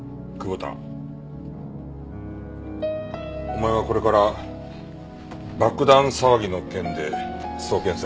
お前はこれから爆弾騒ぎの件で送検される。